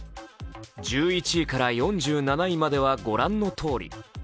１１位から４７位までは御覧のとおり。